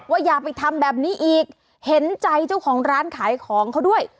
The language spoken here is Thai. อย่าไปทำแบบนี้อีกเห็นใจเจ้าของร้านขายของเขาด้วย